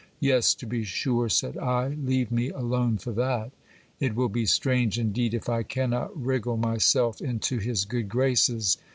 Yes, to be sure, said I ; leave me alone for that It will be strange indeed if I cannot wriggle myself into his good graces.